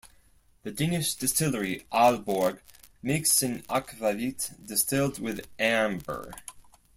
The Danish distillery Aalborg makes an akvavit distilled with amber.